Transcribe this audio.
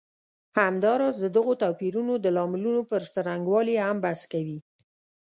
همداراز د دغو توپیرونو د لاملونو پر څرنګوالي هم بحث کوي.